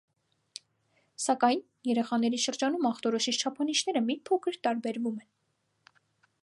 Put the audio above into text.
Սակայն, երեխաների շրջանում ախտորոշիչ չափանիշները մի փոքր տարբերվում են։